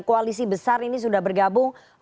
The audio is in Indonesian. koalisi besar ini sudah bergabung